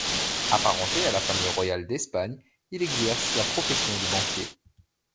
Apparenté à la famille royale d’Espagne, il exerce la profession de banquier.